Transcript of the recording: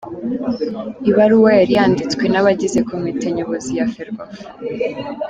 Ibaruwa yari yanditswe n’abagize Komite Nyobozi ya Ferwafa.